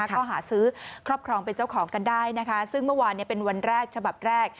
ก็หาซื้อครอบครองเป็นเจ้าของกันได้นะคะซึ่งเมื่อวานเป็นวันแรกฉบับแรก